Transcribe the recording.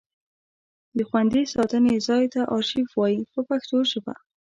د خوندي ساتنې ځای ته ارشیف وایي په پښتو ژبه.